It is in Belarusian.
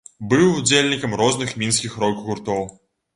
Быў удзельнікам розных мінскіх рок-гуртоў.